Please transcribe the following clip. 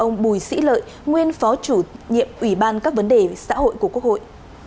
ông bùi sĩ lợi nguyên phó chủ nhiệm ủy ban các vấn đề xã hội của quốc hội